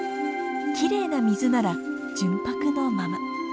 きれいな水なら純白のまま。